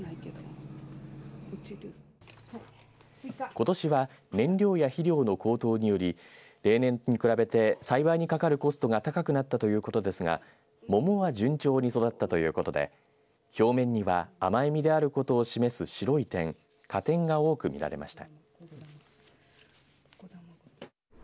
ことしは燃料や肥料の高騰により例年に比べて栽培にかかるコストが高くなったということですがももは順調に育ったということで表面には甘い実であることを示す白い点果点が多く見られました。